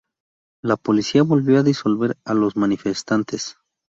La policía volvió a disolver a los manifestantes.